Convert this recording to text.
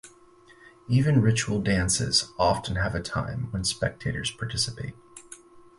Even ritual dances often have a time when spectators participate.